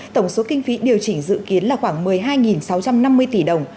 tổng số kinh phí điều chỉnh dự kiến là khoảng một mươi hai sáu trăm năm mươi tỷ đồng